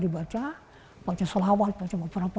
baca selawal baca apa apa